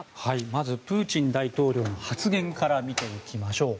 まずプーチン大統領の発言から見ていきましょう。